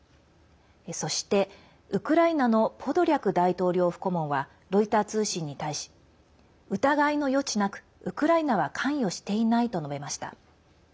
そして、ウクライナのポドリャク大統領府顧問はロイター通信に対し疑いの余地なく、ウクライナは関与していないと述べました。